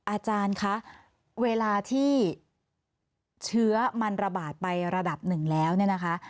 อาจารย์คะเวลาที่เชื้อมันระบาดไประดับหนึ่งแล้วเนี่ยนะคะ